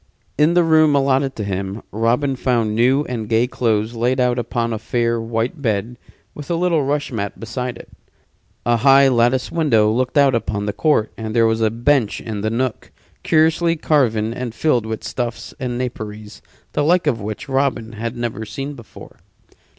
In the room allotted to him Robin found new and gay clothes laid out upon a fair, white bed, with a little rush mat beside it. A high latticed window looked out upon the court, and there was a bench in the nook, curiously carven and filled with stuffs and naperies the like of which Robin had never seen before.